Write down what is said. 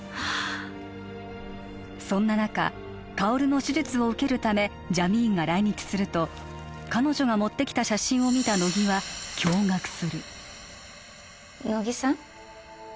そんな中薫の手術を受けるためジャミーンが来日すると彼女が持ってきた写真を見た乃木は驚がくする乃木さん？